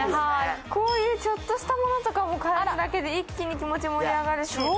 ちょっとしたものとを変えるだけで一気に気持ち盛り上がるし。